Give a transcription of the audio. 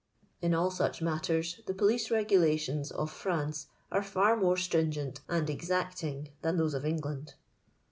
In all such matters the pcdice regulations of France are far more stringent and exacting than those of England.